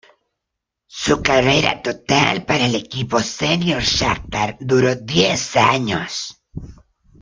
Su carrera total para el equipo senior Shakhtar duró diez años.